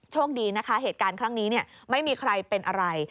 โชคดีนะคะเหตุการณ์ครั้งนี้ไม่มีใครเป็นอะไร